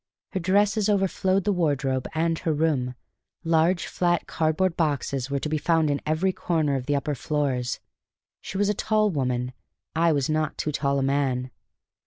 Her dresses overflowed the wardrobe and her room; large, flat, cardboard boxes were to be found in every corner of the upper floors. She was a tall woman; I was not too tall a man.